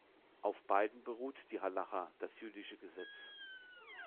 Auf beiden beruht die Halacha, das jüdische Gesetz.